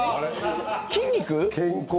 筋肉？